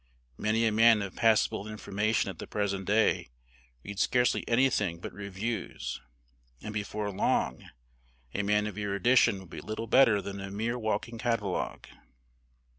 Many a man of passable information at the present day reads scarcely anything but reviews, and before long a man of erudition will be little better than a mere walking catalogue."